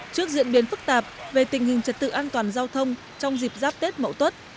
trước diễn biến phức tạp về tình hình trật tự an toàn giao thông trong dịp giáp tết mậu tuất